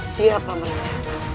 siapa perempuan itu